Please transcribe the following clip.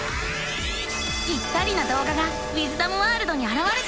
ぴったりなどうががウィズダムワールドにあらわれた。